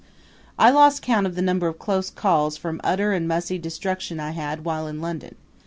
I lost count of the number of close calls from utter and mussy destruction I had while in London.